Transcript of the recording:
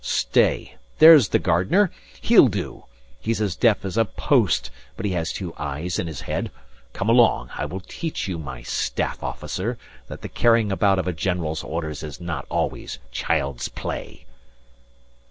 Stay! There's the gardener. He'll do. He's as deaf as a post, but he has two eyes in his head. Come along. I will teach you, my staff officer, that the carrying about of a general's orders is not always child's play."